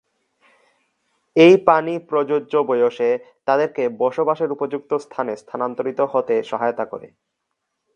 এই পানি প্রযোজ্য বয়সে তাদেরকে বসবাসের উপযুক্ত স্থানে স্থানান্তরিত হতে সহায়তা করে।